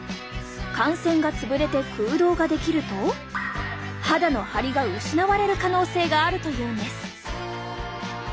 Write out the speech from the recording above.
汗腺が潰れて空洞ができると肌のハリが失われる可能性があるというんです。